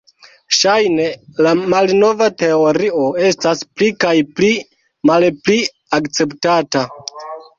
Ŝajne la malnova teorio estas pli kaj pli malpli akceptata.